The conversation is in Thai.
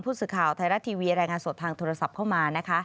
ผู้สื่อข่าวไทยรัฐทีวีรายงานสดทางโทรศัพท์เข้ามานะคะ